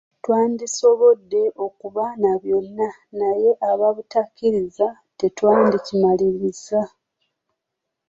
Twandisobodde okuba na byonna naye aba butakkiriza tetwandikimalirizza.